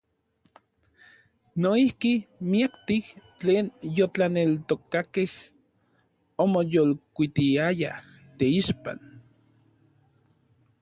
Noijki miaktij tlen yotlaneltokakej omoyolkuitiayaj teixpan.